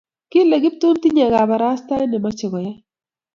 Kale Kiptum tinye kaparastaet nimoche koyai.